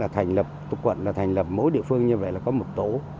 thành lập mỗi địa phương như vậy là có một tổ